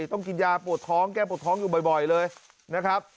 ต้องกินยาปวดท้องแก้ปวดท้องอยู่บ่อยเลยนะครับ